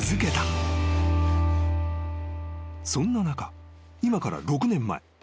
［そんな中今から６年前］